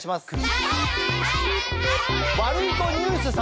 ワルイコニュース様。